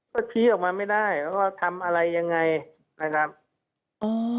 ก็ชี้ออกมาไม่ได้ว่าทำอะไรยังไงนะครับอ๋อ